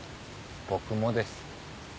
僕もです。